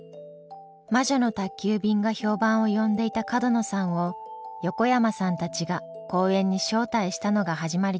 「魔女の宅急便」が評判を呼んでいた角野さんを横山さんたちが講演に招待したのが始まりでした。